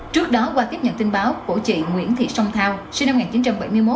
trước đó qua tiếp nhận tin báo của chị nguyễn thị sông thao sinh năm một nghìn chín trăm bảy mươi một